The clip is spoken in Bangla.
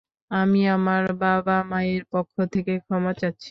আমি আমার বাবা মায়ের পক্ষ থেকে ক্ষমা চাচ্ছি।